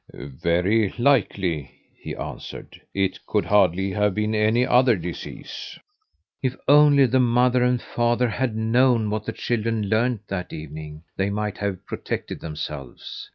"Very likely," he answered. "It could hardly have been any other disease." If only the mother and father had known what the children learned that evening, they might have protected themselves.